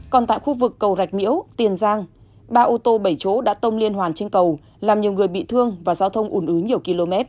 còn tại khu vực cầu rạch miễu tiền giang ba ô tô bảy chỗ đã tông liên hoàn trên cầu làm nhiều người bị thương và giao thông ủn ứ nhiều km